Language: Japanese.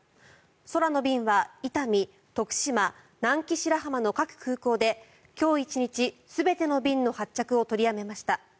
空の便は伊丹、徳島、南紀白浜の各空港で今日１日、全ての便の発着を取りやめました。